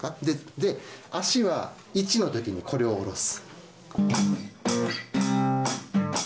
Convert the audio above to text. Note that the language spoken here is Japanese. で足は１の時にこれを下ろす。